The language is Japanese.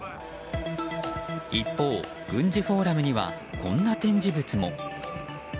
一方、軍事フォーラムにはこんな展示物も。